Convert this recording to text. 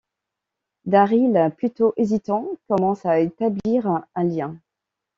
Daryl, plutôt hésitant, commence à établir un lien.